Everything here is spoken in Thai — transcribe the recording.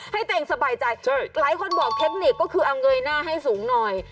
ให้ตัวเองสบายใจหลายคนบอกเทคนิคก็คือเอาเงยหน้าให้สูงหน่อย